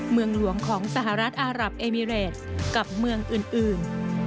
เมืองหลวงของสหรัฐอารับเอมิเรสกับเมืองอื่น